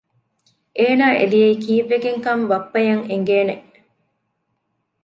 އޭނާ އެ ދިޔައީ ކީއްވެގެންކަން ބައްޕައަށް އެނގޭނެ